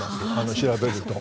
調べると。